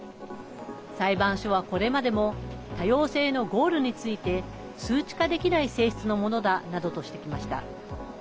裁判所は、これまでも多様性のゴールについて数値化できない性質のものだなどとしてきました。